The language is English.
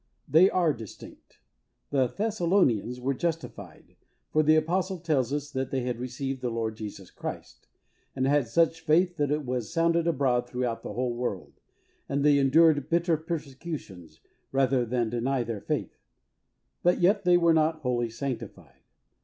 They are distinct. The Thessalonians were justified, for the apostle tells us that they had received the Lord Jesus Christ, and had such faith that it was sounded abroad throughout the whole world, and they endured bitter persecutions rather than deny their faith, but yet they were not wholly sanctified.